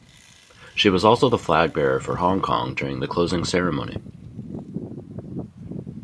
She was also the flag bearer for Hong Kong during the closing ceremony.